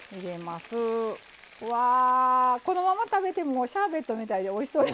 うわこのまま食べてもシャーベットみたいでおいしそう。